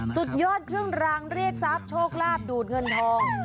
สุดยอดเครื่องรางเรียกทรัพย์โชคลาภดูดเงินทอง